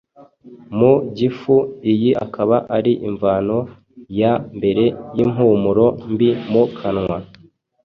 mu gifu; iyi akaba ari imvano ya mbere y’impumuro mbi mu kanwa.